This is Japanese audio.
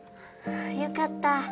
よかったぁ。